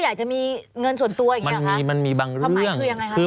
สำหรับสนุนโดยหวานได้ทุกที่ที่มีพาเลส